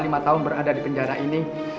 ini kenapa cerita saya ini